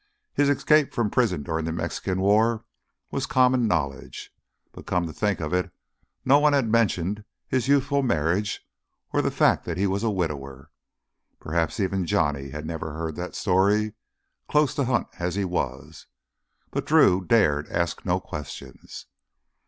His escape from prison during the Mexican War was common knowledge. But, come to think of it, no one had mentioned his youthful marriage or the fact that he was a widower. Perhaps even Johnny had never heard that story, close to Hunt as he was. But Drew dared ask no questions.